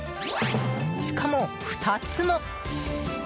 しかも２つも。